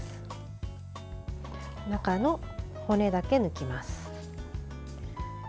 中の骨だけ抜きます。